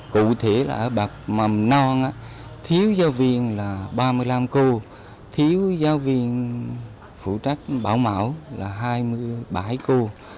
cụ thể là ở bậc mầm non thiếu giáo viên là ba mươi năm cô thiếu giáo viên phụ trách bảo mẫu là hai mươi bảy cô